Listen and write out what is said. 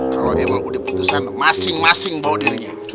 kalau emang udah putusan masing masing bawa dirinya